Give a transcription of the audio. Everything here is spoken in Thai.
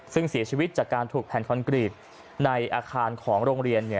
ซึ่งเสียชีวิตจากการถูกแผ่นคอนกรีตในอาคารของโรงเรียน